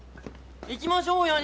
行きましょうよ